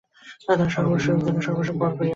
তাহার সর্বস্বের জন্য সে সর্বস্বই পণ করিয়া বসিল।